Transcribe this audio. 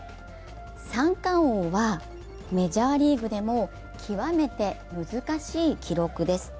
三冠王はメジャーリーグでも極めて難しい記録です。